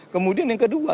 kemudian yang kedua